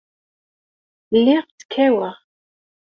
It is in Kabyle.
Lliɣ ttkaweɣ.